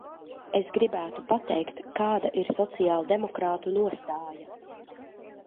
Es gribētu pateikt, kāda ir sociāldemokrātu nostāja.